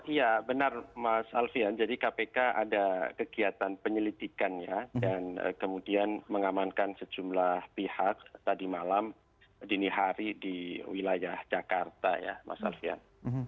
iya benar mas alfian jadi kpk ada kegiatan penyelidikan ya dan kemudian mengamankan sejumlah pihak tadi malam dini hari di wilayah jakarta ya mas alfian